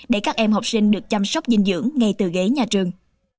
để các em học sinh được chăm sóc dinh dưỡng ngay từ ghế nhà trường